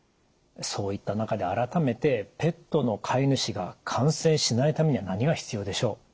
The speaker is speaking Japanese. そういった中で改めてペットの飼い主が感染しないためには何が必要でしょう？